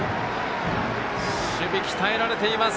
守備が鍛えられています！